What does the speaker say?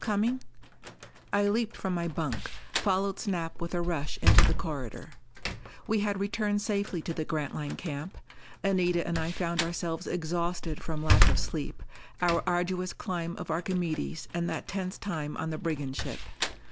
"Coming " I leaped from my bunk, followed Snap with a rush into the corridor. We had returned safely to the Grantline camp. Anita and I found ourselves exhausted from lack of sleep, our arduous climb of Archimedes and that tense time on the brigand ship.